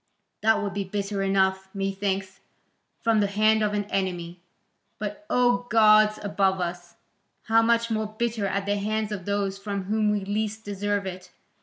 That would be bitter enough, methinks, from the hand of an enemy, but O gods above us! how much more bitter at the hands of those from whom we least deserve it!